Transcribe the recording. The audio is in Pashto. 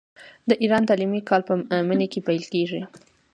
د ایران تعلیمي کال په مني کې پیلیږي.